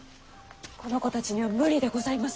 この子たちには無理でございます。